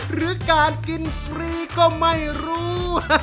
หรือการกินฟรีก็ไม่รู้